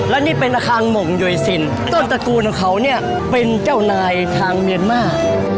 และนี่เป็นอาคารหม่งโยยซินต้นตระกูลของเขาเนี่ยเป็นเจ้านายทางเมียนมา